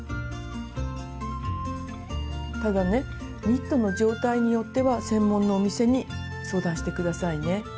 ただねニットの状態によっては専門のお店に相談して下さいね。